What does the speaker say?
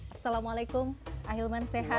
assalamualaikum ahilman sehat